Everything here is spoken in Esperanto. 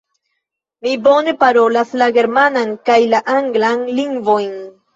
Li bone parolas la germanan kaj la anglan lingvojn.